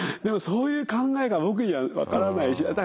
でもそういう考えが僕には分からないし。